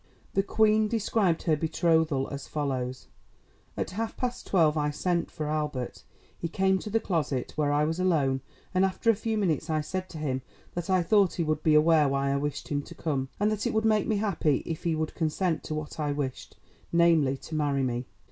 The Queen described her betrothal as follows: "At half past twelve I sent for Albert. He came to the closet, where I was alone, and after a few minutes I said to him that I thought he would be aware why I wished him to come, and that it would make me happy if he would consent to what I wished, namely, to marry me.